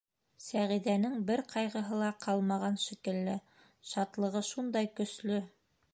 — Сәғиҙәнең бер ҡайғыһы ла ҡалмаған шикелле, шатлығы шундай көслө.